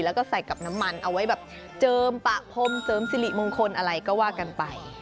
แล้วก็ใส่กับน้ำมันเอาไว้แบบเจิมปะพรมเสริมสิริมงคลอะไรก็ว่ากันไป